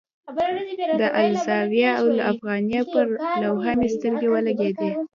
د الزاویة الافغانیه پر لوحه مې سترګې ولګېدې.